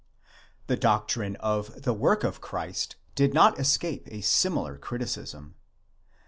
The doctrine of the work of Christ did not escape a similar criticism.